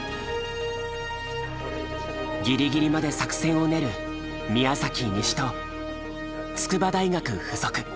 ギリギリまで作戦を練る宮崎西と筑波大学附属。